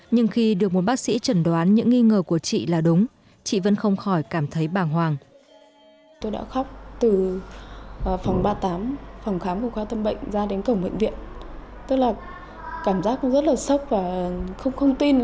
nhưng khi được một bác sĩ chẩn đoán những nghi ngờ của chị là đúng chị vân không khỏi cảm thấy bàng hoàng